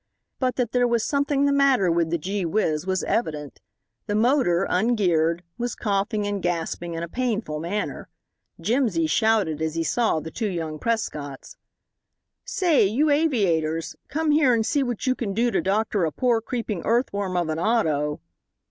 But that there was something the matter with the Gee Whizz was evident. The motor, ungeared, was coughing and gasping in a painful manner. Jimsy shouted as he saw the two young Prescotts. "Say, you aviators, come here and see what you can do to doctor a poor creeping earthworm of an auto."